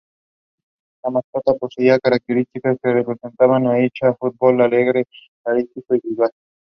La mascota poseía características que representan al hincha del fútbol alegre, carismático y vivaz.